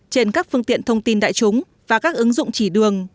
trên các phương tiện thông tin đại chúng và các ứng dụng chỉ đường